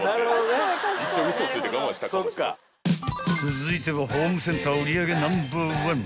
［続いてはホームセンター売り上げナンバー１］